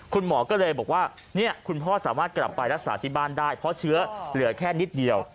คุณหมอก็เลยบอกว่าคุณพ่อสามารถกลับไปรักษาที่บ้านได้เพราะเชื้อเหลือแค่นิดเดียว